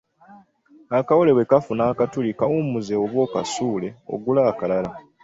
Akawale bwekafuna akatuli, kawummuze oba kasuule ogule akalala.